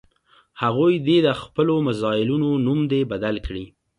هغوی دې د خپلو میزایلونو نوم دې بدل کړي.